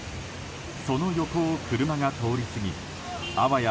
その横を車が通りすぎあわや